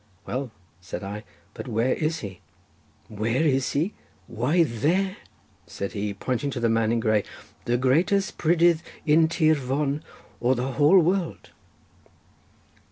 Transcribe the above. "Well," said I, "but where is he?" "Where is he? why there," said he pointing to the man in grey—"the greatest prydydd in tîr Fon or the whole world."